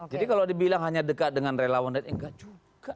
jadi kalau dibilang hanya dekat dengan relawan enggak juga